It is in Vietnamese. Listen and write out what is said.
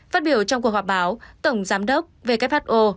phát biểu trong cuộc họp báo tổng giám đốc who